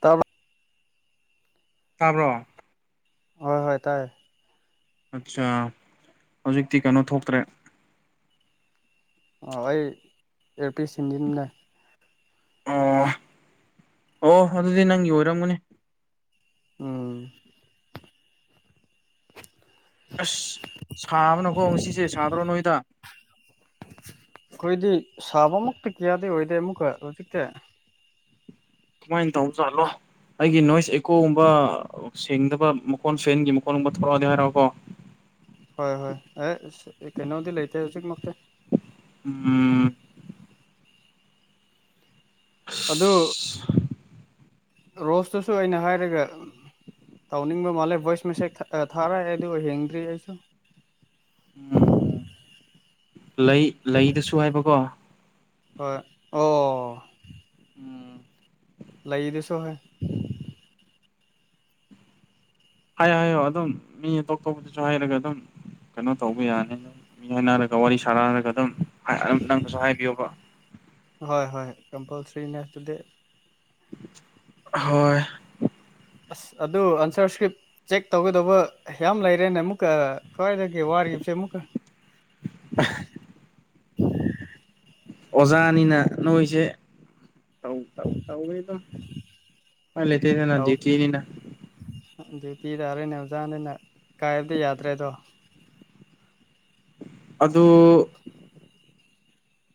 ꯇꯥꯕ꯭ꯔꯥ ꯇꯥꯕ꯭ꯔꯣ ꯍꯣꯏ ꯍꯣꯏ ꯇꯥꯏꯌꯦ ꯑꯠꯆꯥꯥ ꯍꯧꯖꯤꯛꯇꯤ ꯀꯩꯅꯣ ꯊꯣꯛꯇ꯭ꯔꯦ ꯑꯣ ꯑꯩ ꯑꯦꯔꯄꯤꯁ ꯁꯤꯟꯖꯤꯟꯒꯦ ꯑꯣ ꯑꯣ ꯑꯗꯨꯗꯤ ꯅꯪꯒꯤ ꯑꯣꯏꯔꯝꯒꯅꯤ ꯎꯝ ꯑꯁ ꯁꯥꯕꯅꯀꯣ ꯉꯁꯤꯁꯦ ꯁꯥꯕ꯭ꯔꯣ ꯅꯣꯏꯗ ꯑꯩꯈꯣꯏꯗꯤ ꯁꯥꯕꯃꯨꯛꯇꯤ ꯀꯌꯥꯗꯤ ꯑꯣꯏꯗꯦ ꯑꯃꯨꯛꯀ ꯍꯧꯖꯤꯛꯇꯦ ꯀꯃꯥꯏꯅ ꯇꯧ ꯖꯥꯠꯂꯣ ꯑꯩꯒꯤ ꯅꯣꯏꯁ ꯑꯦꯀꯣꯒꯨꯝꯕ ꯁꯦꯡꯗꯕ ꯃꯈꯣꯟ ꯐꯦꯟꯒꯤ ꯃꯈꯣꯟꯒꯨꯝꯕ ꯊꯣꯔꯛꯑꯗꯤ ꯍꯥꯏꯔꯛꯑꯣꯀꯣ ꯍꯣꯏ ꯍꯣꯏ ꯑꯦ ꯀꯩꯅꯣꯗꯤ ꯂꯩꯇꯦ ꯍꯧꯖꯤꯛꯃꯛꯇꯤ ꯎꯝ ꯑꯗꯨ ꯔꯣꯁꯇꯨꯁꯨ ꯑꯩꯅ ꯍꯥꯏꯔꯒ ꯇꯧꯅꯤꯡꯕ ꯃꯥꯜꯂꯦ ꯚꯣꯏꯁ ꯃꯦꯁꯦꯖ ꯊꯥ ꯊꯥꯔꯛꯑꯦ ꯗꯨꯒ ꯌꯦꯡꯗ꯭ꯔꯤ ꯑꯩꯁꯨ ꯎꯝ ꯂꯩ ꯂꯩꯗꯁꯨ ꯍꯥꯏꯕꯀꯣ ꯍꯣꯏ ꯑꯣ ꯎꯝ ꯂꯩꯗꯁꯨ ꯍꯣꯏ ꯍꯥꯏꯌꯣ ꯍꯥꯏꯌꯣ ꯑꯗꯨꯝ ꯃꯤ ꯑꯇꯣ ꯇꯣꯞꯄꯗꯨꯁꯨ ꯍꯥꯏꯔꯒ ꯑꯗꯨꯝ ꯀꯩꯅꯣ ꯇꯧꯕ ꯌꯥꯅꯤ ꯗꯨꯝ ꯃꯤ ꯍꯥꯏꯅꯔꯒ ꯋꯥꯔꯤ ꯁꯥꯅꯔꯒ ꯑꯗꯨꯝ ꯍꯥꯏ ꯑꯗꯨꯝ ꯅꯪꯅꯁꯨ ꯍꯥꯏꯕꯤꯌꯣꯕ ꯍꯣꯏ ꯍꯣꯏ ꯀꯝꯄꯜꯁꯔꯤꯅꯦ ꯑꯗꯨꯗꯤ ꯍꯣꯏ ꯑꯁ ꯑꯗꯨ ꯑꯟꯁꯔ ꯁꯀ꯭ꯔꯤꯞ ꯆꯦꯛ ꯇꯧꯒꯗꯧꯕ ꯌꯥꯝ ꯂꯩꯔꯦꯅꯦ ꯃꯨꯛꯀ ꯊꯥꯏꯅꯒꯤ ꯋꯥꯔꯤꯁꯦ ꯃꯨꯛꯀ ꯑꯣꯖꯥꯅꯤꯅ ꯅꯣꯏꯁꯦ ꯇꯧ ꯇꯧ ꯇꯧꯋꯦ ꯑꯗꯨꯝ ꯎꯄꯥꯏ ꯂꯩꯇꯦꯗꯅ ꯗ꯭ꯌꯨꯇꯤꯅꯤꯅ ꯑꯗꯨ ꯄꯤ ꯇꯥꯔꯦꯅꯦ ꯑꯣꯖꯥꯅꯤꯅ ꯀꯥꯏꯕꯗꯤ ꯌꯥꯗ꯭ꯔꯦꯗꯣ ꯑꯗꯨ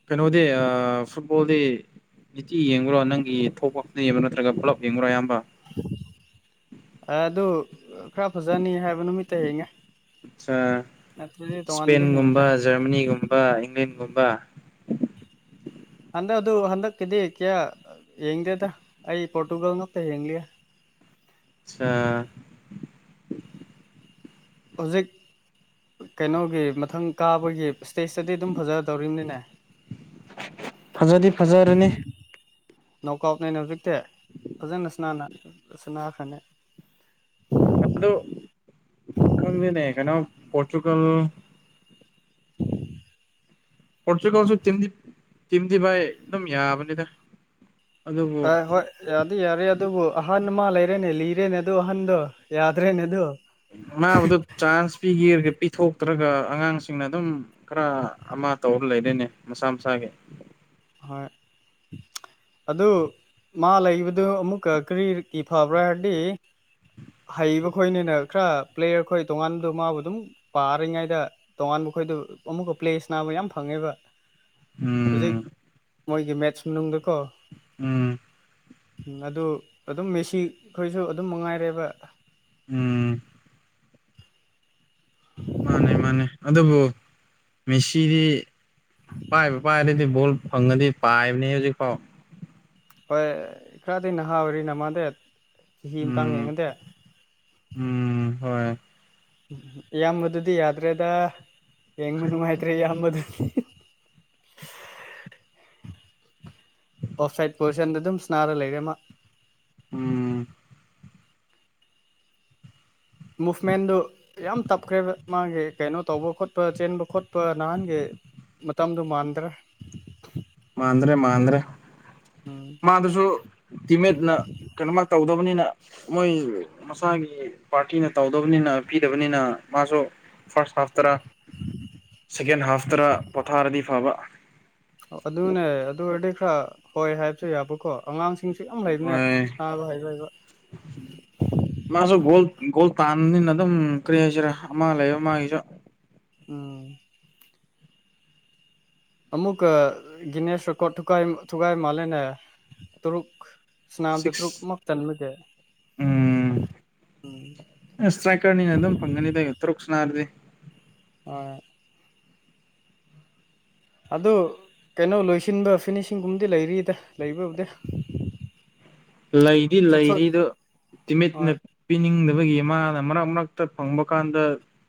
ꯀꯩꯅꯣꯗꯤ ꯑꯥ ꯐꯨꯠꯕꯣꯜꯗꯤ ꯅꯤꯇꯤ ꯌꯦꯡꯕ꯭ꯔꯣ ꯅꯪꯒꯤ ꯊꯣꯛꯄ ꯈꯛꯇ ꯌꯦꯡꯕ꯭ꯔ ꯅꯠꯇ꯭ꯔꯒ ꯄꯨꯂꯞ ꯌꯦꯡꯕ꯭ꯔꯥ ꯌꯥꯝ ꯑꯦ ꯑꯗꯨ ꯈꯔ ꯐꯖꯅꯤ ꯍꯥꯏꯕ ꯅꯨꯃꯤꯠꯇ ꯌꯦꯡꯉꯦ ꯑꯠꯆ ꯅꯠꯇ꯭ꯔꯗꯤ ꯇꯣꯉꯥꯟꯅꯗꯤ ꯌꯦꯡꯗ꯭ꯔꯦ ꯁ꯭ꯄꯦꯟꯒꯨꯝꯕ ꯖꯔꯃꯅꯤꯒꯨꯝꯕ ꯏꯪꯂꯦꯟ ꯒꯨꯝꯕ ꯍꯟꯗꯛ ꯑꯗꯨ ꯍꯟꯗꯛꯀꯤꯗꯤ ꯀ꯭ꯌꯥ ꯌꯦꯡꯗꯦꯗ ꯑꯩ ꯄꯣꯔꯇꯨꯒꯜ ꯉꯥꯛꯇ ꯌꯦꯡꯂꯤꯌꯦ ꯑꯠꯆꯥ ꯍꯨꯖꯤꯛ ꯀꯩꯅꯣꯒꯤ ꯃꯊꯪ ꯀꯥꯕꯒꯤ ꯁ꯭ꯇꯦꯖꯇꯗꯤ ꯗꯨꯝ ꯐꯖꯗꯧꯔꯤꯝꯅꯤꯅꯦ ꯐꯖꯗꯤ ꯐꯖꯔꯅꯤ ꯅꯣꯛꯀꯥꯎꯅꯦꯅ ꯍꯧꯖꯤꯛꯇꯤ ꯐꯖꯅ ꯁꯥꯅꯥꯅ ꯁꯅꯈ꯭ꯔꯅꯤ ꯑꯗꯣ ꯈꯪꯗꯦꯅꯦ ꯀꯩꯅꯣ ꯄꯣꯔꯇꯨꯒꯜ ꯄꯣꯔꯇꯨꯒꯜꯁꯨ ꯇꯤꯝꯗꯤ ꯇꯤꯝꯗꯤ ꯚꯥꯏ ꯑꯗꯨꯝ ꯌꯥꯕꯅꯤꯗ ꯑꯗꯨꯕꯨ ꯑ ꯍꯣꯏ ꯌꯥ ꯑꯗꯨ ꯌꯥꯔꯦ ꯑꯗꯨꯕꯨ ꯑꯍꯥꯟ ꯑꯃ ꯂꯩꯔꯦꯅꯦ ꯂꯤꯔꯦꯅꯦ ꯑꯗꯨ ꯑꯍꯟꯗꯣ ꯌꯥꯗ꯭ꯔꯦꯅꯦ ꯗꯨ ꯃꯥꯕꯨꯗꯨ ꯆꯥꯟꯁ ꯄꯤꯒꯦꯔꯒ ꯄꯤ ꯊꯣꯛꯇ꯭ꯔꯒ ꯑꯉꯥꯡꯁꯤꯡꯅ ꯑꯗꯨꯝ ꯈꯔ ꯑꯃ ꯇꯧꯔ ꯂꯩꯔꯦꯅꯦ ꯃꯁꯥ ꯃꯁꯥꯒꯤ ꯍꯣꯏ ꯑꯗꯨ ꯃꯥ ꯂꯩꯕꯗꯨ ꯑꯃꯨꯛꯀ ꯀꯔꯤꯒꯤ ꯐꯕ꯭ꯔꯥ ꯍꯥꯏꯔꯗꯤ ꯍꯩꯕ ꯈꯣꯏꯅꯤꯅ ꯈꯔ ꯄ꯭ꯂꯦꯌꯔ ꯈꯣꯏ ꯇꯣꯉꯥꯟꯕꯗꯣ ꯃꯥꯕꯨ ꯑꯗꯨꯝ ꯄꯥꯔꯤꯉꯩꯗ ꯇꯣꯉꯥꯟꯕ ꯈꯣꯏꯗꯨ ꯑꯃꯨꯛꯀ ꯄ꯭ꯂꯦ ꯁꯥꯅꯕ ꯌꯥꯝ ꯐꯪꯉꯦꯕ ꯍꯧꯖꯤꯛ ꯎꯝ ꯃꯣꯏꯒꯤ ꯃꯦꯠꯁ ꯃꯅꯨꯡꯗꯀꯣ ꯎꯝ ꯎꯝ ꯑꯗꯨ ꯑꯗꯨꯝ ꯃꯦꯁꯤ ꯈꯣꯏꯁꯨ ꯑꯗꯨꯝ ꯃꯉꯥꯏꯔꯦꯕ ꯎꯝ ꯃꯥꯅꯦ ꯃꯥꯅꯦ ꯑꯗꯨꯕꯨ ꯃꯦꯁꯤꯗꯤ ꯄꯥꯏꯕꯨ ꯄꯥꯏꯔꯗꯤ ꯗꯤ ꯕꯣꯜ ꯐꯪꯉꯗꯤ ꯄꯥꯏꯕꯅꯦ ꯍꯧꯖꯤꯛꯐꯥꯎ ꯍꯣꯏ ꯈꯔꯗꯤ ꯅꯍꯥ ꯑꯣꯏꯔꯤꯅ ꯃꯥꯗꯦ ꯆꯍꯤ ꯃꯇꯥꯡ ꯎꯝ ꯌꯦꯡꯉꯗꯤ ꯎꯝ ꯍꯣꯏ ꯏꯌꯥꯝꯕꯗꯨꯗꯤ ꯌꯥꯗ꯭ꯔꯦꯗ ꯌꯦꯡꯕ ꯅꯨꯡꯉꯥꯏꯇ꯭ꯔꯦ ꯏꯌꯥꯝꯕꯗꯨꯗꯤ ꯑꯣꯐ ꯁꯥꯏꯠ ꯄꯣꯖꯤꯁꯟꯗ ꯑꯗꯨꯝ ꯁꯥꯅꯔ ꯂꯩꯔꯦ ꯃꯥ ꯎꯝ ꯃꯨꯐꯃꯦꯟꯗꯣ ꯌꯥꯝ ꯇꯞꯈ꯭ꯔꯦꯕ ꯃꯥꯒꯤ ꯀꯩꯅꯣ ꯇꯧꯕ ꯈꯣꯠꯄ ꯆꯦꯟꯕ ꯈꯣꯠꯄ ꯅꯍꯥꯟꯒꯤ ꯃꯇꯝꯗꯣ ꯃꯥꯟꯗ꯭ꯔꯦ ꯃꯥꯟꯗ꯭ꯔꯦ ꯃꯥꯟꯗ꯭ꯔꯦ ꯎꯝ ꯃꯥꯗꯨꯁꯨ ꯇꯤꯃꯦꯠꯅ ꯀꯩꯅꯣꯃ ꯇꯧꯗꯕꯅꯤꯅ ꯃꯣꯏ ꯃꯁꯥꯒꯤ ꯄꯥꯔꯇꯤꯅ ꯇꯧꯗꯕꯅꯤꯅ ꯄꯤꯗꯕꯅꯤꯅ ꯃꯥꯁꯨ ꯐꯥꯔꯁ ꯍꯥꯐꯇꯔꯥ ꯁꯦꯀꯦꯟ ꯍꯥꯐꯇꯔꯥ ꯄꯣꯊꯥꯔꯗꯤ ꯐꯕ ꯑꯣ ꯑꯗꯨꯅꯦ ꯑꯗꯨ ꯑꯣꯏꯔꯗꯤ ꯈꯔ ꯍꯣꯏ ꯍꯥꯏꯕꯁꯨ ꯌꯥꯕꯀꯣ ꯑꯉꯥꯡꯁꯤ ꯁꯤꯡꯁꯦ ꯌꯥꯝ ꯂꯩꯕꯅꯦ ꯍꯣꯏ ꯃꯥꯗꯣ ꯍꯩꯔꯣꯢꯕ ꯍꯤꯡꯈꯣꯜ ꯇꯥꯟꯅꯤꯅ ꯑꯗꯨꯝ ꯀꯔꯤ ꯍꯥꯏꯁꯤꯔꯥ ꯑꯃ ꯂꯩꯕ ꯃꯥꯒꯤꯁꯨ ꯎꯝ ꯑꯃꯨꯛꯀ ꯒꯤꯅꯦꯁ ꯔꯦꯀꯣꯠ ꯊꯨꯥꯀꯥꯏ ꯊꯨꯒꯥꯏ ꯃꯥꯜꯂꯦꯅꯦ ꯇꯔꯨꯛ ꯁꯅꯥꯝꯗ ꯁꯤꯛꯁ ꯇ꯭ꯔꯨꯛꯃꯛ ꯆꯟꯕꯒꯤ ꯎꯝ ꯑꯁ ꯁꯇ꯭ꯔꯥꯏꯀꯔꯅꯤꯅ ꯑꯗꯨꯝ ꯐꯪꯒꯅꯤꯗ ꯇꯔꯨꯛ ꯁꯅꯥꯔꯗꯤ ꯑ ꯑꯗꯨ ꯀꯩꯅꯣ ꯂꯣꯏꯁꯤꯟꯕ ꯐꯤꯅꯤꯁꯤꯡꯒꯨꯝꯕꯗꯤ ꯂꯩꯔꯤꯗ ꯂꯩꯕꯕꯨꯗꯤ [unintelligible] ꯂꯩꯗꯤ ꯁꯨꯛꯁꯣꯏ ꯂꯩꯔꯤꯗꯣ ꯇꯤꯃꯦꯠꯅ ꯍꯣꯏ ꯄꯤꯅꯤꯡꯗꯕꯒꯤ ꯃꯥꯅ ꯃꯔꯛ ꯃꯔꯛꯇ ꯐꯪꯕ ꯀꯥꯟꯗ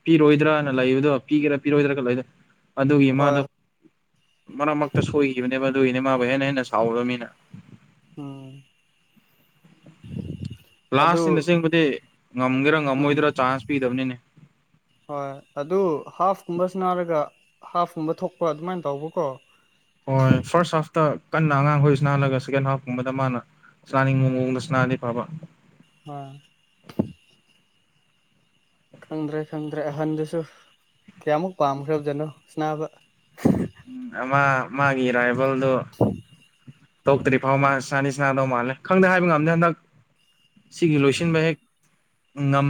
ꯄꯤꯔꯣꯏꯗ꯭ꯔꯥꯅ ꯂꯩꯕꯗꯣ ꯄꯤꯒꯦꯔꯥ ꯄꯤꯔꯣꯏꯗ꯭ꯔꯥ ꯂꯩꯔꯦ ꯑꯗꯨꯒꯤ ꯍꯣꯏ ꯃꯥꯗꯣ ꯃꯔꯛ ꯃꯔꯛꯇ ꯁꯣꯏꯈꯤꯕꯅꯦꯕ ꯑꯗꯨꯒꯤꯅꯦ ꯃꯥ ꯀꯣꯢꯍꯦꯟ ꯍꯦꯟꯅ ꯁꯥꯎꯔꯝꯅꯤꯅ ꯎꯝ [unintelligible] ꯑꯗꯨ ꯂꯥꯁꯁꯤꯡꯅ ꯆꯦꯟꯕꯗꯤ ꯉꯝꯒꯦꯔꯥ ꯎꯝ ꯉꯝꯃꯣꯏꯗ꯭ꯔꯥ ꯆꯥꯟꯁ ꯄꯤꯗꯕꯅꯤꯅꯦ ꯍꯣꯏ ꯑꯗꯨ ꯍꯥꯐ ꯀꯨꯝꯕ ꯁꯟꯅꯥꯔꯒ ꯍꯥꯐ ꯀꯨꯝꯕ ꯊꯣꯛꯄ ꯑꯗꯨꯃꯥꯏ ꯇꯧꯕꯀꯣ ꯍꯣꯏ ꯐꯥꯔꯁ ꯍꯥꯐꯇ ꯀꯟꯅ ꯑꯉꯥꯡꯈꯣꯏ ꯁꯥꯅ ꯍꯜꯂꯒ ꯁꯦꯀꯦꯟ ꯍꯥꯐꯀꯨꯝꯕꯗ ꯃꯥꯅ ꯁꯥꯟꯅꯤꯡꯕ ꯃꯑꯣꯡꯗ ꯁꯥꯅꯔꯗꯤ ꯐꯕ ꯑꯥ ꯈꯪꯗ꯭ꯔꯦ ꯈꯪꯗ꯭ꯔꯦ ꯑꯍꯟꯗꯨꯁꯨ ꯀ꯭ꯌꯥꯃꯨꯛ ꯄꯥꯝꯈ꯭ꯔꯕ ꯖꯠꯅꯣ ꯁꯟꯅꯥꯕ ꯎꯝ ꯑꯃ ꯃꯥꯒꯤ ꯔꯥꯏꯕꯜꯗꯣ ꯇꯣꯛꯇ꯭ꯔꯤ ꯐꯥꯎ ꯃꯥ ꯁꯥꯟꯗꯤ ꯁꯥꯅꯗꯧ ꯃꯥꯜꯂꯦ ꯈꯪꯗꯦ ꯍꯥꯏꯕ ꯉꯝꯗꯦ ꯍꯟꯗꯛ ꯁꯤꯒꯤ ꯂꯣꯏꯁꯤꯟꯕ ꯍꯦꯛ ꯉꯝ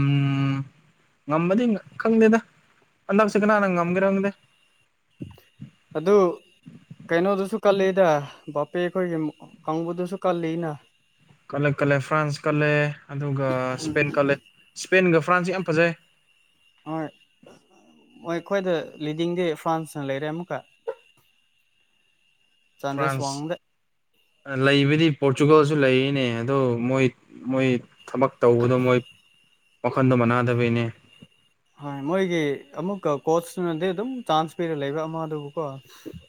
ꯉꯝꯕꯗꯤ ꯉꯝ ꯈꯪꯗꯦꯗ ꯍꯟꯗꯛꯁꯦ ꯀꯅꯥꯅ ꯉꯝꯒꯦꯔ ꯈꯪꯗꯦ ꯑꯗꯨ ꯀꯩꯅꯣꯗꯨꯁꯨ ꯀꯜꯂꯤꯗ ꯕꯥꯄꯦ ꯈꯣꯏꯒꯤ ꯀꯥꯡꯕꯨꯗꯨꯁꯨ ꯀꯜꯂꯤꯅ ꯀꯜꯂꯦ ꯀꯜꯂꯦ ꯐ꯭ꯔꯥꯟꯁ ꯀꯜꯂꯦ ꯑꯗꯨꯒ ꯁ꯭ꯄꯦꯟ ꯀꯠꯂꯦ ꯁ꯭ꯄꯦꯟꯒ ꯐ꯭ꯔꯥꯟꯁꯦ ꯌꯥꯝ ꯐꯖꯩ ꯍꯣꯏ ꯍꯣꯏ ꯈꯣꯏꯗ ꯂꯤꯗꯤꯡꯗꯤ ꯐ꯭ꯔꯥꯟꯁꯅ ꯂꯩꯔꯦ ꯑꯃꯨꯛꯀ [unintelligible] ꯆꯥꯟꯗꯦꯁ ꯐ꯭ꯔꯥꯟꯁ ꯋꯥꯡꯗ ꯂꯩꯕꯗꯤ ꯄꯣꯔꯇꯨꯒꯜꯁꯨ ꯂꯩ ꯅꯦ ꯑꯗꫭ ꯃꯣꯏ ꯃꯣꯏ ꯊꯕꯛ ꯇꯧꯕꯗꯣ ꯃꯣꯏ ꯋꯥꯈꯟꯗꯣ ꯃꯥꯟꯅꯗꯕꯩꯅꯦ ꯍꯣꯏ ꯃꯣꯏꯒꯤ ꯑꯃꯨꯛꯀ ꯀꯣꯁꯇꯨꯅꯗꯤ ꯑꯗꯨꯝ ꯆꯥꯟꯁ ꯄꯤꯔ ꯂꯩꯕ ꯑꯃꯗꯨꯕꯨ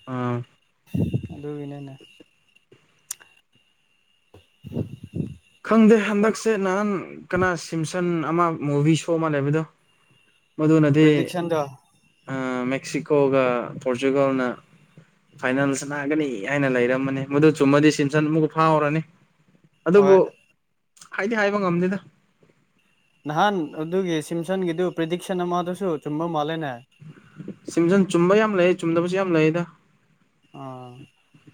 ꯑꯥ [inaudible] ꯑꯗꯨꯒꯤꯅꯤꯅꯦ [unintelligible] ꯈꯪꯗꯦ ꯍꯟꯗꯛꯁꯦ ꯅꯍꯥꯟ ꯀꯅꯥ ꯁꯤꯝꯁꯟ ꯑꯃ ꯃꯨꯚꯤ ꯁꯣ ꯑꯃ ꯂꯩꯕꯗꯣ ꯃꯗꯨꯅꯗꯤ ꯄ꯭ꯔꯤꯗꯤꯛꯁꯟꯗꯣ ꯑ ꯃꯦꯛꯁꯤꯀꯣꯒ ꯄꯣꯔꯆꯨꯒꯜꯅ ꯐꯥꯏꯅꯦꯜ ꯁꯥꯅꯒꯅꯤ ꯍꯥꯏꯅ ꯂꯩꯔꯝꯃꯅꯦ ꯃꯗꯨ ꯆꯨꯝꯃꯗꯤ ꯁꯤꯝꯁꯟ ꯑꯃꯨꯛꯀ ꯐꯥꯎꯔꯅꯤ ꯍꯣꯏ ꯑꯗꯨꯕꯨ ꯍꯥꯏꯗꯤ ꯍꯥꯏꯕ ꯉꯝꯗꯦꯗ ꯅꯍꯥꯟ ꯑꯗꯨꯒꯤ ꯁꯤꯝꯁꯟꯒꯤꯗꯨ ꯄ꯭ꯔꯤꯗꯤꯛꯁꯟ ꯑꯃꯗꯨꯁꯨ ꯆꯨꯝꯕ ꯃꯥꯜꯂꯦꯅꯦ ꯁꯤꯝꯖꯟ ꯆꯨꯝꯕ ꯌꯥꯝ ꯂꯩ ꯆꯨꯝꯗꯕꯁꯨ ꯌꯥꯝ ꯂꯩꯗ ꯑ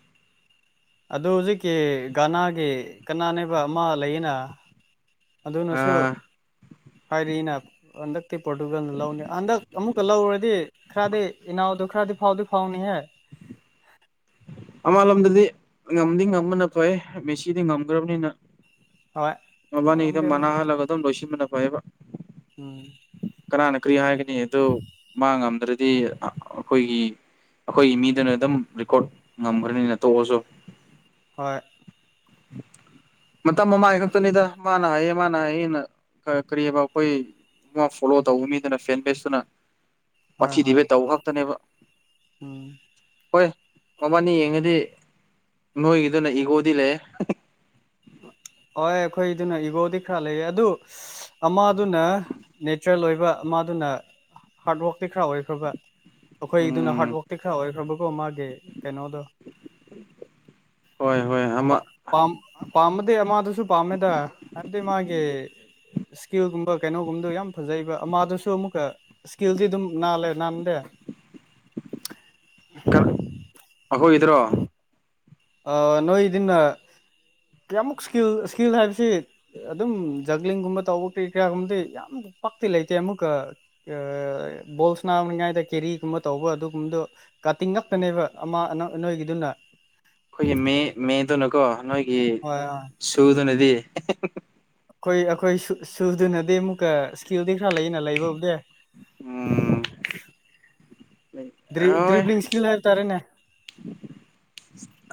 ꯑꯗꯨ ꯍꯨꯖꯤꯛꯀꯤ ꯒꯅꯥꯒꯤ ꯀꯅꯥꯅꯦꯕ ꯑꯃ ꯂꯩꯌꯦꯅ ꯑꯗꯨꯅꯁꯨ ꯍꯥꯏꯔꯤꯅ ꯍꯟꯗꯛꯇꯤ ꯄꯣꯔꯇꯨꯒꯜꯅ ꯂꯧꯅꯤ ꯍꯟꯗꯛ ꯑꯃꯨꯛ [unintelligible] ꯂꯧꯔꯗꯤ ꯈꯔꯗꯤ ꯏꯅꯥꯎꯗꯨ ꯈꯔꯗꯤ ꯐꯥꯎꯗꯤ ꯐꯥꯎꯅꯤꯍꯦ ꯑꯃꯂꯣꯝꯗꯗꯤ ꯉꯝꯗꯤ ꯉꯝꯕꯅ ꯐꯩꯌꯦ ꯃꯦꯁꯤꯗꯤ ꯉꯝꯒ꯭ꯔꯕꯅꯤꯅ ꯍꯣꯏ ꯑꯃꯔꯣꯝꯗꯤ ꯃꯕꯥꯅꯤꯗꫭ ꯑꯃ ꯃꯥꯟꯅꯍꯜꯂꯒ ꯑꯗꯨꯝ ꯂꯣꯏꯁꯤꯟꯕꯅ ꯐꯩꯌꯦꯕ ꯎꯝ ꯀꯅꯥꯅ ꯀꯔꯤ ꯍꯥꯏꯒꯅꯤ ꯑꯗꯨ ꯃꯥ ꯉꯝꯗ꯭ꯔ [unintelligible] ꯑꯈꯣꯏꯒꯤ ꯑꯈꯣꯏꯒꯤ ꯃꯤꯗꯨꯅ ꯑꯗꯨꯝ ꯔꯦꯀꯣꯔꯠ ꯉꯝꯒ꯭ꯔꯅꯤꯗ ꯇꯣꯛꯑꯁꯨ ꯍꯣꯏ [inaudible] ꯃꯇꯝ ꯃꯃꯥꯏ ꯈꯛꯇꯅꯤꯗ ꯃꯥ ꯅꯥꯏꯌꯦ ꯃꯥ ꯅꯥꯏꯌꯦꯅ ꯀꯔꯤꯑꯕ ꯑꯈꯣꯏ [unintelligible] ꯐꯣꯂꯣ ꯇꯧꯕ ꯃꯤꯗꯨꯅ ꯐꯦꯟ ꯕꯦꯁꯇꯨꯅ ꯍꯣꯏ ꯋꯥꯊꯤ ꯍꯣꯏ ꯗꯤꯕꯦꯠ ꯇꯧꯕ ꯉꯥꯛꯇꯅꯦꯕ ꯎꯝ ꯍꯣꯏ ꯃꯕꯥꯅꯤ ꯌꯦꯡꯉꯗꯤ ꯅꯣꯏꯒꯤꯗꯨꯅ ꯏꯒꯣꯗꯤ ꯂꯩꯌꯦ [inaudible] ꯍꯣꯏ ꯑꯩꯈꯣꯏꯗꯨꯅ ꯏꯒꯣꯗꯤ ꯈꯔ ꯂꯩꯌꯦ ꯑꯗꯨ ꯑꯃꯗꯨꯅ ꯅꯦꯆꯔꯦꯜ ꯑꯣꯏꯕ ꯑꯃ [unintelligible] ꯍꯥꯔꯗ ꯋꯥꯛꯇꯤ ꯈꯔ ꯑꯣꯏꯈ꯭ꯔꯕ ꯑꯩꯈꯣꯏꯗꯨꯅ ꯎꯝ ꯍꯥꯔꯗ ꯋꯥꯛꯇꯤ ꯈꯔ ꯑꯣꯏꯈ꯭ꯔꯕ [unintelligible] ꯀꯩꯅꯣꯗꯣ [inaudible] ꯍꯣꯏ ꯍꯣꯏ ꯑꯃ ꯄꯥꯝꯕꯗꯤ ꯑꯃꯗꯨꯁꯨ ꯄꯥꯝꯃꯤꯗ ꯍꯥꯏꯕꯗꯤ ꯃꯥꯒꯤ ꯏꯁꯀꯤꯜꯒꯨꯝꯕ ꯀꯩꯅꯣꯒꯨꯝꯗꯣ ꯌꯥꯝ ꯐꯖꯩꯕ ꯑꯃꯗꯨꯁꯨ ꯑꯃꯨꯛꯀ ꯏꯁꯀꯤꯜꯗꯤ ꯑꯗꯨꯝ ꯅꯥꯜꯂꯦ ꯅꯥꯟꯗꯦ [inaudible] [unintelligible] ꯑꯈꯣꯏꯒꯤꯗꯔꫭ ꯑ ꯅꯣꯏꯗꯨꯅ ꯀꯌꯥꯃꯨꯛ ꯏꯁꯀꯤꯜ ꯏꯁꯀꯤꯜ ꯍꯥꯏꯕꯁꯤ ꯑꯗꯨꯝ ꯖꯒ꯭ꯂꯤꯡꯒꯨꯝꯕ ꯇꯧꯕ ꯀꯔꯤ ꯀꯔꯥꯒꯨꯝꯕꯗꯤ ꯌꯥꯝ ꯄꯥꯛꯇꯤ ꯂꯩꯇꯦ ꯑꯃꯨꯛꯀ ꯑ ꯕꯣꯜ [unintelligible] ꯀꯦꯔꯤꯒꯨꯝꯕ ꯇꯧꯕ ꯑꯗꯨꯒꯨꯝꯗꯣ ꯀꯥꯇꯤꯡ ꯉꯛꯇꯅꯦꯕ ꯑꯃ ꯑꯅ ꯅꯣꯏꯒꯤꯗꯨꯅ ꯑꯩꯈꯣꯏꯒꯤ ꯃꯦ ꯃꯦꯗꯨꯅꯀꯣ ꯅꯣꯏꯒꯤ ꯍꯣꯏ ꯍꯣꯏ ꯑꯩꯈꯣꯏ ꯁꯨꯗꯨꯅꯗꯤ [unintelligible] ꯑꯈꯣꯏ ꯑꯈꯣꯏ ꯁꯨ ꯁꯨꯗꯨꯅꯗꯤ ꯑꯃꯨꯛꯀ ꯏꯁꯀꯤꯜꯗꯤ ꯈꯔ ꯂꯩꯌꯦꯅ ꯂꯩꯕꯕꯨꯗꯤ ꯎꯝ ꯗꯔꯤ ꯍꯣꯏ ꯗ꯭ꯔꯤꯕ꯭ꯂꯤꯡ ꯏꯁꯀꯤꯜ ꯍꯥꯏꯕ ꯇꯥꯔꯦꯅꯦ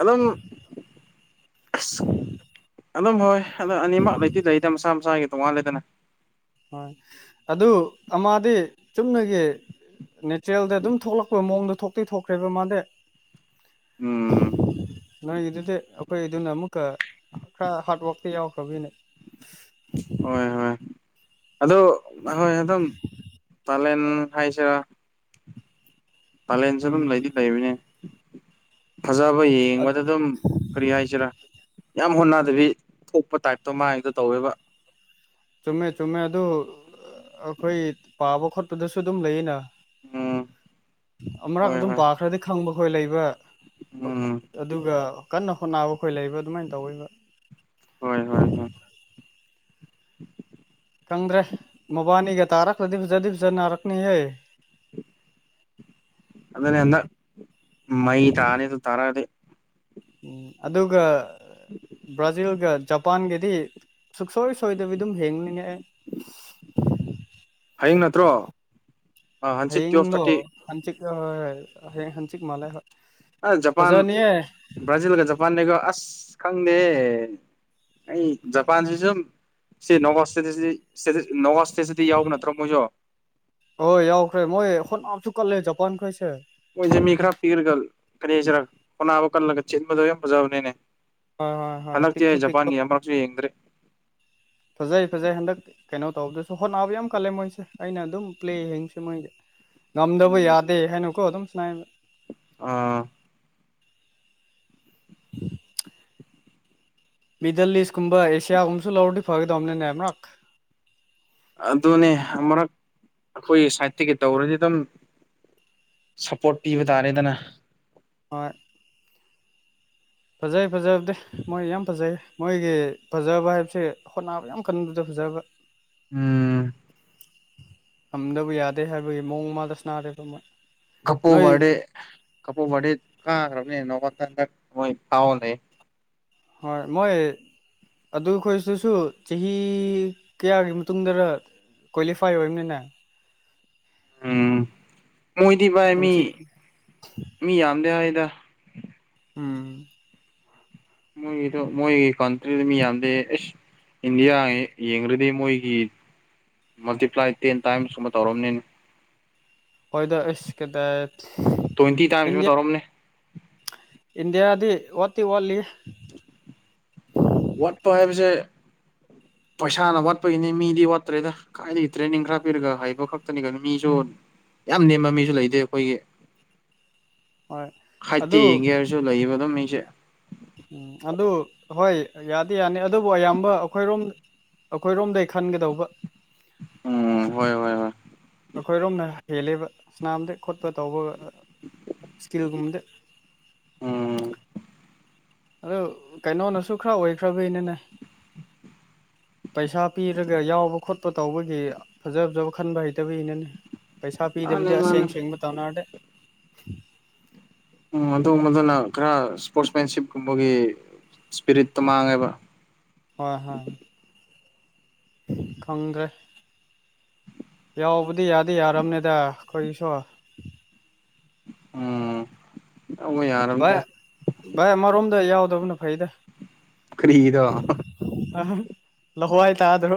ꯑꯗꯨꯝ ꯑꯁ [inaudible] ꯑꯗꯨꯝ ꯍꯣꯏ ꯑꯃ ꯑꯅꯤꯃꯨꯛ ꯂꯩꯇꯤ ꯂꯩꯗ ꯃꯁꯥ ꯃꯁꯥꯒꯤ ꯇꯣꯉꯥꯜꯂꯦꯗꯅ ꯑꯣꯏ ꯑꯗꯨ ꯑꯃꯗꯤ ꯆꯨꯝꯅꯒꯤ ꯅꯦꯆ꯭ꯔꯦꯜꯗ ꯗꯨꯝ ꯊꯣꯛꯂꯛꯄ ꯃꯑꯣꯡꯗ ꯊꯣꯛꯇꯤ ꯊꯣꯛꯈ꯭ꯔꯦꯕ ꯃꯥꯗꯤ ꯎꯝ ꯅꯣꯏꯒꯤꯗꯨꯗꯤ ꯑꯈꯣꯏ ꯗꯨꯅ ꯑꯃꯨꯛꯀ ꯈꯔ ꯍꯥꯔꯠ ꯋꯥꯔꯛꯇ ꯌꯥꯎꯈ꯭ꯔꯕꯅꯦ ꯍꯣꯏ ꯍꯣꯏ ꯑꯗꯣ ꯍꯣꯏ ꯑꯗꯨꯝ ꯄꯥꯂꯦꯟ ꯍꯥꯏ ꯁꯤꯔ ꯄꯂꯦꯟꯁꯨ ꯎꯝ ꯑꯗꯨꯝ ꯂꯩꯗꯤ ꯂꯩꯕꯅꯦ ꯐꯖꯕ ꯌꯦꯡꯕꯗ ꯗꯨꯝ ꯀꯔꯤ ꯍꯥꯏꯁꯤꯔꯥ ꯌꯥꯝ ꯍꯣꯠꯅꯗꯕꯤ ꯊꯣꯛꯄ ꯇꯥꯏꯞꯇꯣ ꯃꯥꯏꯗ ꯇꯧꯋꯦꯕ ꯆꯨꯝꯃꯦ ꯆꯨꯝꯃꯦ ꯑꯗꯨ ꯑꯈꯣꯏ ꯄꯥꯕ ꯈꯣꯠꯄꯗꯁꯨ ꯑꯗꯨꯝ ꯂꯩꯑꯦꯅ ꯎꯝ ꯑꯃꯔꯛ ꯍꯣꯏ ꯑꯗꯨꯝ ꯍꯣꯏ ꯄꯥꯈ꯭ꯔꯗꯤ ꯈꯪꯕ ꯈꯣꯏ ꯂꯩꯕ ꯑ ꯎꯝ ꯑꯗꯨꯒ ꯀꯟꯅ ꯍꯣꯠꯅꯕ ꯈꯣꯏ ꯂꯩꯕ ꯑꯗꯨꯃꯥꯏꯟ ꯇꯧꯋꯦꯕ ꯍꯣꯏ ꯍꯣꯏ ꯍꯣꯏ [inaudible] ꯇꯥꯔꯛꯇ꯭ꯔꯗꯤ ꯐꯖꯗꯤ ꯐꯖꯟ ꯅꯥꯔꯛꯅꯤ ꯍꯦ ꯑꯗꯨꯅꯦ ꯍꯟꯗꯛ ꯃꯩ ꯇꯥꯅꯤꯗꯣ ꯇꯥꯔꯛꯑꯗꯤ ꯎꯝ ꯑꯗꯨꯒ ꯕ꯭ꯔꯖꯤꯜꯒ ꯖꯄꯥꯟꯒꯗꯤ ꯁꯨꯛꯁꯣꯏ ꯁꯣꯏꯗꯕꯤ ꯗꯨꯝ ꯌꯦꯡꯅꯤꯡꯉꯛꯑꯦ ꯍꯌꯦꯡ ꯅꯠꯇ꯭ꯔꯣ ꯍꯪꯆꯤꯠꯀꯤ ꯇ꯭ꯌꯦꯜꯞ ꯍꯌꯦꯡꯗꯣ ꯊꯥ꯭ꯔꯇꯤ [unintelligible] ꯍꯪꯆꯤꯠ ꯃꯥꯜꯂꯦ ꯍꯣꯏ ꯑ ꯖꯄꯥꯟ ꯐꯖꯅꯤꯌꯦ ꯕ꯭ꯔꯥꯖꯤꯜꯒ ꯖꯄꯥꯟꯅꯤꯀꯣ ꯑ꯭ꯁ ꯈꯪꯗꯦ ꯑꯩ ꯖꯄꯥꯟ [unintelligible] [unintelligible] ꯅꯋꯥꯁ ꯁ꯭ꯇꯦꯖꯇꯗꯤ ꯌꯥꯎꯕ ꯅꯠꯇ꯭ꯔꯣ ꯃꯣꯏꯖꯨ ꯍꯣꯏ ꯌꯥꯎꯈ꯭ꯔꯦ ꯃꯣꯏ ꯍꯣꯠꯅꯕꯁꯨ ꯀꯜꯂꯦ ꯖꯄꯥꯟ ꯈꯣꯏꯁꯦ ꯃꯣꯏꯁꯦ ꯃꯤ ꯈꯔ ꯄꯤꯛꯔꯒ ꯀꯔꯤ ꯍꯥꯏꯁꯤꯔ ꯍꯣꯠꯅꯕ ꯀꯜꯂꯒ ꯆꯦꯟꯕꯗꯣ ꯌꯥꯝ ꯐꯖꯕꯅꯤꯅꯦ ꯍꯣ ꯍꯣꯏ ꯍꯣꯏ ꯍꯟꯗꯛꯇꯤ ꯄꯤꯛꯁꯨ ꯑꯩ ꯄꯤꯛꯄ ꯖꯄꯥꯟꯒꯤ ꯑꯃꯨꯔꯛꯁꯨ ꯌꯦꯡꯗ꯭ꯔꯤ ꯐꯖꯩ ꯐꯖꯩ ꯍꯟꯗꯛ ꯀꯩꯅꯣ ꯇꯧꯕꯗꯁ ꯍꯣꯠꯅꯕ ꯌꯥꯝ ꯀꯜꯂꯦ ꯃꯣꯏꯁꯦ ꯑꯩꯅ ꯗꯨꯝ ꯄ꯭ꯂꯦ ꯌꯦꯡꯁꯦ ꯃꯣꯏꯗꯤ ꯉꯝꯗꯕ ꯌꯥꯗꯦ ꯎꯝ ꯍꯥꯏꯅꯀꯣ ꯗꯨꯝ ꯁ꯭ꯅꯥꯏꯕ ꯑꯥ ꯃꯤꯗꯜ ꯑꯦꯁ ꯀꯨꯝꯕ ꯑꯦꯁꯤꯌꯥꯒꯨꯝꯕꯁꯨ ꯂꯧꯔꯗꯤ ꯐꯒꯗꯧꯝꯅꯤꯅꯦ ꯑꯃꯨꯔꯛ ꯑꯗꯨꯅꯦ ꯑꯃꯔꯛ ꯑꯈꯣꯏꯒꯤ ꯁꯥꯏꯠꯇꯒꯤ ꯇꯧꯔꯗꯤ ꯑꯗꯨꯝ ꯁꯄꯣꯔꯠ ꯄꯤꯕ ꯇꯥꯔꯦꯗꯅ ꯍꯣꯏ ꯐꯖꯩ ꯐꯖꯕꯗꯤ ꯃꯣꯏ ꯌꯥꯝ ꯐꯖꯩꯌꯦ ꯃꯣꯏꯒꯤ ꯐꯖꯕ ꯍꯥꯏꯕꯁꯦ ꯍꯣꯠꯅꯕ ꯌꯥꯝ ꯀꯟꯕꯗ ꯐꯖꯕ ꯎꯝ ꯉꯝꯗꯕ ꯌꯥꯗꯦ ꯍꯥꯏꯕꯒꯤ ꯃꯑꯣꯡ ꯑꯃꯗ ꯁ꯭ꯅꯥꯔꯦꯗꯣ ꯃꯣꯏ [unintelligible] ꯅꯣꯏ ꯀꯕꯣ ꯕ꯭ꯔꯗꯦ ꯀꯥꯒ꯭ꯔꯝꯅꯦ ꯅꯣꯡꯃꯇꯪꯗ ꯃꯣꯏ ꯐꯥꯎ ꯂꯩꯌꯦ ꯍꯣꯏ ꯃꯣꯏ ꯑꯗꯨ ꯈꯣꯏꯁꯨꯁꯨ ꯆꯍꯤ ꯀꯌꯥꯒꯤ ꯃꯇꯨꯡꯗꯔ ꯀꯣꯏꯂꯤꯐꯥꯏ ꯑꯣꯏ꯭ꯕꯅꯤꯅ ꯎꯝ ꯃꯣꯏꯗꯤ ꯚꯥꯏ ꯃꯤ ꯅꯨꯡꯁꯤ ꯃꯤ ꯌꯥꯝꯗꯦ ꯍꯥꯏ ꯨꯗ ꯎꯝ ꯃꯣꯏꯒꯤꯗꯣ ꯃꯣꯏꯒꯤ ꯀꯟꯇ꯭ꯔꯤꯗꯣ ꯃꯤ ꯌꯥꯝꯗꯦ ꯑꯦꯁ ꯏꯟꯗꯤꯌꯥ ꯌꯦ ꯌꯦꯡꯔꯗꯤ ꯃꯣꯏꯒꯤ ꯃꯜꯇꯤꯄ꯭ꯂꯥꯏ ꯇꯦꯟ ꯇꯥꯏꯝꯁ ꯀꯨꯝꯕ ꯇꯧꯔꯝꯅꯤꯅꯦ ꯍꯣꯏꯗ ꯑꯦꯁ ꯀꯗꯥꯏ ꯇ꯭ꯋꯦꯟꯇꯤ ꯇꯥꯏꯝꯁ ꯄꯨ ꯏꯟꯗꯤꯌꯥ ꯇꯧꯔꯝꯅꯤ ꯏꯟꯗꯤꯌꯥꯗꯤ ꯋꯥꯠꯇꯤ ꯋꯥꯠꯂꯤ ꯋꯥꯠꯄ ꯍꯥꯏꯕꯁꯦ [inaudible] ꯄꯩꯁꯥꯅ ꯋꯥꯠꯄꯒꯤꯅꯦ ꯃꯤꯗꯤ ꯋꯥꯠꯇ꯭ꯔꯦꯗ ꯀꯥꯏꯗꯒꯤ ꯇ꯭ꯔꯦꯅꯤꯡ ꯈꯔ ꯄꯤꯔꯒ ꯍꯩꯕ ꯈꯛꯇꯅꯦ ꯀꯥꯏꯗꯩꯩ ꯃꯤꯁꯨ ꯌꯥꯝ ꯅꯦꯝꯕ ꯃꯤꯁꯨ ꯂꯩꯇꯦ ꯑꯩꯈꯣꯏꯒꯤ [inaudible] ꯍꯣꯏ ꯍꯥꯏꯠꯇꯤ ꯑꯗꯨ ꯌꯦꯡꯒꯦ ꯍꯥꯏꯔꯁꯨ ꯂꯩꯌꯦꯕ ꯑꯗꯨꯝ ꯃꯤꯁꯦ ꯎꯝ ꯑꯗꯨ ꯍꯣꯏ ꯌꯥꯗꯤ ꯌꯥꯅꯤ ꯑꯗꯨꯕꯨ ꯑꯌꯥꯝꯕ ꯑꯩꯈꯣꯏꯔꯣꯝ ꯑꯩꯈꯣꯏꯔꯣꯝꯗꯩꯩ ꯈꯟꯒꯗꯧꯕ ꯎꯝ ꯍꯣꯏ ꯍꯣꯏ ꯍꯣꯏ ꯑꯩꯈꯣꯏꯔꯣꯝꯅ ꯍꯦꯜꯂꯦꯕꯥ ꯁꯅꯥꯝꯗ ꯈꯣꯠꯄ ꯇꯧꯕꯒ ꯑ ꯑ ꯁ꯭ꯀꯤꯜ ꯒꯨꯝꯕꯗ ꯎꯝ ꯑꯗꯨ ꯀꯩꯅꯣꯅꯁꯨ ꯈꯔ ꯑꯣꯏꯈ꯭ꯔꯕꯩꯩꯅꯤꯅꯦ ꯄꯩꯁꯥ ꯄꯤꯔꯒ ꯌꯥꯎꯕ ꯈꯣꯠꯄ ꯇꯧꯕꯒꯤ ꯐꯖ ꯐꯖꯕ ꯈꯟꯕ ꯍꯩꯇꯕꯩꯅꯤꯅꯦ ꯄꯩꯁꯥ ꯃꯥꯅꯦ ꯄꯤꯗꯕꯤꯗ ꯃꯥꯅꯦ ꯑꯁꯦꯡ ꯁꯦꯡꯕ ꯇꯧꯅꯔꯗꯤ ꯎꯝ ꯑꯗꯨꯒꯨꯝꯕꯗꯨꯅ ꯈꯔ ꯁ꯭ꯄꯣꯔ꯭ꯠꯁ꯭ꯃꯦꯟꯁꯤꯞ ꯒꯨꯝꯕꯒꯤ ꯁ꯭ꯄꯤꯔꯤꯠꯇꯣ ꯃꯥꯡꯉꯦꯕ ꯍꯣꯏ ꯍꯣꯏ ꯈꯪꯗ꯭ꯔꯦ ꯌꯥꯎꯕꯗꯤ ꯌꯥꯗꯤ ꯌꯥꯔꯕꯅꯦꯗꯥ ꯑꯩꯈꯣꯏꯒꯤꯁꯨ ꯎꯝ ꯇꯧꯕ ꯚꯥꯏ ꯌꯥꯔꯕꯅꯤꯗ ꯚꯥꯏ ꯑꯃꯔꯣꯝꯗ ꯌꯥꯎꯗꯕꯅ ꯐꯩꯗꯥ ꯀꯔꯤꯒꯤꯔꯣ ꯍ ꯍ ꯂꯥꯋꯥꯏ ꯇꯥꯗꯔꯣ